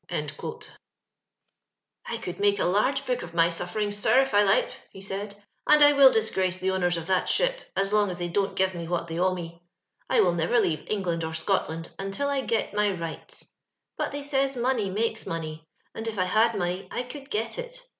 I coald make a large book of my snffer ings, sir, if I Uked," he said, "and I will dis grace the owners of that ship as long as they don't give me what they owe me. '*I will never leave England or Scotland until I get my rights ; but they says money makes money, and if I had money I could get it.